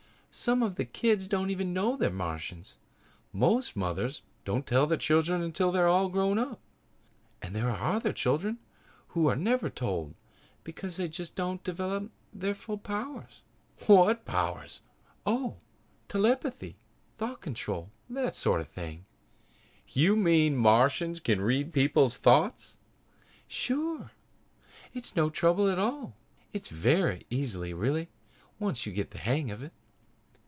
"Some of the kids don't even know they're Martians. Most mothers don't tell their children until they're grown up. And there are other children who are never told because they just don't develop their full powers." "What powers?" "Oh, telepathy, thought control that sort of thing." "You mean that Martians can read people's thoughts?" "Sure! It's no trouble at all. It's very easy really, once you get the hang of it."